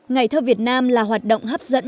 ngày thơ việt nam là hoạt động hấp dẫn